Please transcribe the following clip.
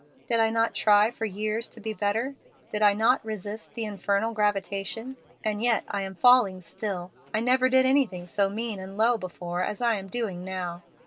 Did I not try for years to be better? Did I not resist the infernal gravitation? and yet I am falling still. I never did anything so mean and low before as I am doing now.